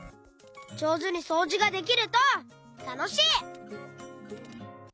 じょうずにそうじができるとたのしい！